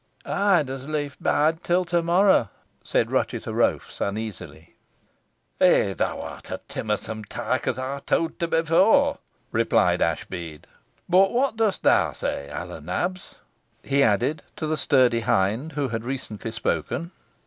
"Ey'd as leef boide till to morrow," said Ruchot o'Roaph's, uneasily. "Eigh, thou'rt a timmersome teyke, os ey towd te efore," replied Ashbead. "But whot dust theaw say, Hal o' Nabs?" he added, to the sturdy hind who had recently spoken.